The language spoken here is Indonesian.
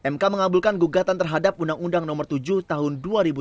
mk mengabulkan gugatan terhadap undang undang nomor tujuh tahun dua ribu tujuh belas